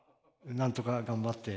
なんとか頑張って。